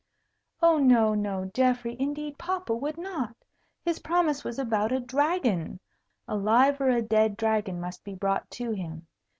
"Oh, no, no, Geoffrey; indeed, papa would not. His promise was about a dragon. A live or a dead dragon must be brought to him.